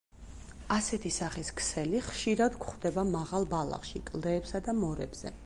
ასეთი სახის ქსელი ხშირად გვხვდება მაღალ ბალახში, კლდეებსა და მორებზე.